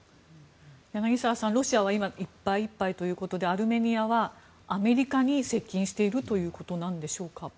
柳澤さん、ロシアは今いっぱいいっぱいということでアルメニアはアメリカに接近しているということでしょうか？